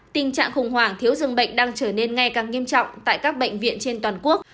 tình trạng khủng hoảng thiếu dường bệnh đang trở nên ngay càng nghiêm trọng tại các bệnh viện trên toàn quốc